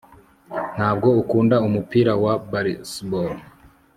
ntabwo ukunda umupira wa baseball